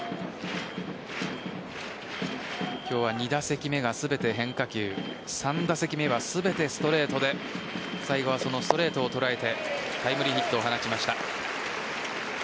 今日は２打席目が全て変化球３打席目は全てストレートで最後はそのストレートを捉えてタイムリーヒットを放ちました。